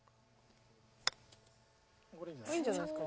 いいんじゃないですか？